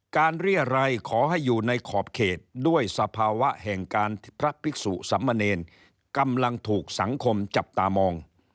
เรียรัยขอให้อยู่ในขอบเขตด้วยสภาวะแห่งการพระภิกษุสมเนรกำลังถูกสังคมจับตามอง